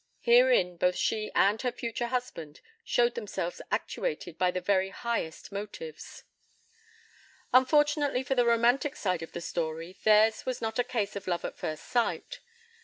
Herein both she and her future husband showed themselves actuated by the very highest motives. Unfortunately for the romantic side of the story, theirs was not a case of love at first sight.